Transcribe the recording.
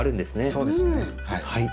そうですねはい。